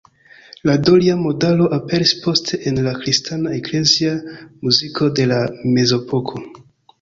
La doria modalo aperis poste en la kristana eklezia muziko de la mezepoko.